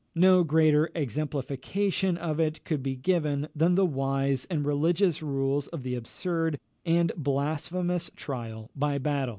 No greater exemplification of it could be given than the wise and religious rules of the absurd and blasphemous trial by battle.